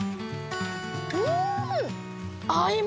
うん！